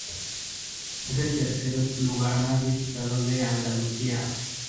Es el tercer lugar más visitado de Andalucía.